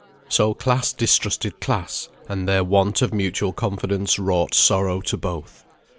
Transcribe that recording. So class distrusted class, and their want of mutual confidence wrought sorrow to both.